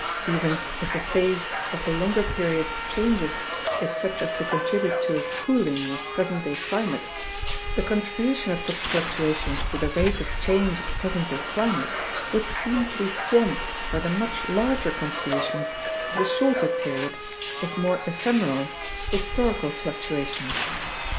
Even if the phase of the longer period changes is such as to contribute to a cooling of present day climate, the contribution of such fluctuations to the rate of change of present day climate would seem to be swamped by the much larger contributions of the shorter period (if more ephemeral) historical fluctuations.